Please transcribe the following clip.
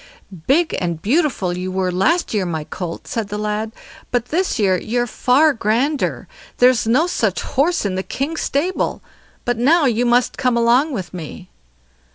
"Big and beautiful you were last year, my colt", said the lad, "but this year you're far grander. There's no such horse in the king's stable. But now you must come along with me."